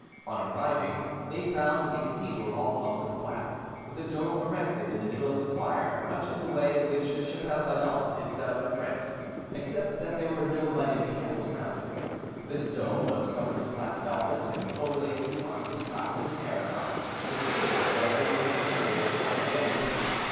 On arriving, they found the cathedral all hung with black, with a dome erected in the middle of the choir, much in the way in which 'chapelles ardentes' are set up in France, except that there were no lighted candles round it. This dome was covered with black velvet, and overlaid with the arms of Scotland and Aragon, with streamers like those on the chariot yet again repeated.